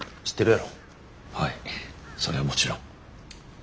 はいそれはもちろん。